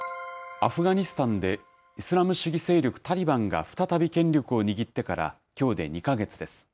アフガニスタンでイスラム主義勢力タリバンが再び権力を握ってから、きょうで２か月です。